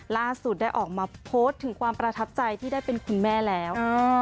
ล่าสุดได้ออกมาโพสต์ถึงความประทับใจที่ได้เป็นคุณแม่แล้ว